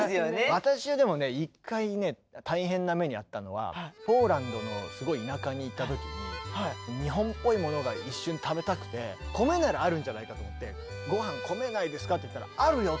私はでもね一回ね大変な目に遭ったのはポーランドのすごい田舎に行った時に日本っぽいものが一瞬食べたくて米ならあるんじゃないかと思って「ご飯米ないですか？」って言ったら「あるよ」